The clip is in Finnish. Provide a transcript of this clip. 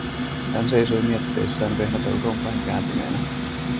Hän seisoi mietteissään vehnäpeltoon päin kääntyneenä.